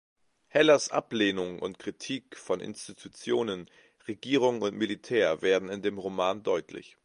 Hellers Ablehnung und Kritik von Institutionen, Regierung und Militär werden in dem Roman deutlich.